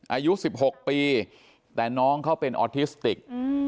อายุ๑๖ปีแต่น้องเขาเป็นออทิสติก